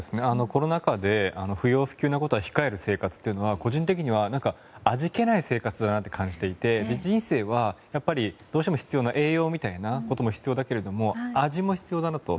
コロナ禍で不要不急のことを控える生活というのは個人的には味気ない生活だなと感じていて人生はどうしても必要な栄養みたいなことも必要だけど味も必要だなと。